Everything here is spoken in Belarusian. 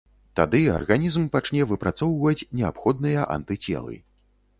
Тады арганізм пачне выпрацоўваць неабходныя антыцелы.